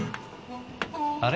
あれ？